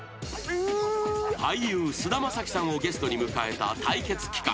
［俳優菅田将暉さんをゲストに迎えた対決企画］